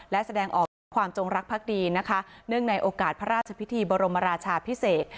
และแสดงออกถึงความจงรักภักดีนะคะเนื่องในโอกาสพระราชพิธีบรมราชาพิเศษ